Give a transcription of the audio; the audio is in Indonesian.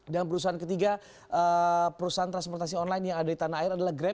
dan perusahaan ketiga perusahaan transportasi online yang ada di tanah air adalah grab